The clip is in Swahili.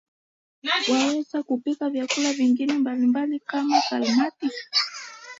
Waweza kupika vyakula vingine mbalimbali kama kalmati